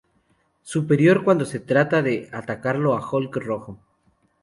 Superior cuando se trata de atacarlo a Hulk Rojo.